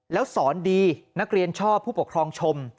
แล้วสอนดีนักเรียนชอบผู้ปกครองชม